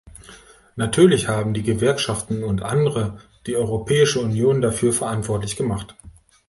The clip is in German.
Natürlich haben die Gewerkschaften und andere die Europäische Union dafür verantwortlich gemacht.